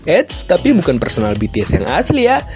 eits tapi bukan personal bts yang asli ya